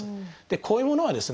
こういうものはですね